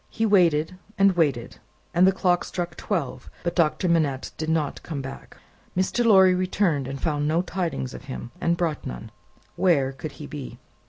He waited and waited, and the clock struck twelve; but Doctor Manette did not come back. Mr. Lorry returned, and found no tidings of him, and brought none. Where could he be?